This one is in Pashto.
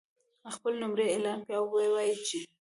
خپلې نمرې اعلان کړي او ووایي چې